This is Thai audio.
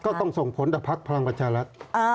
ก็ต้องส่งผลต่อพลังประชารัฐ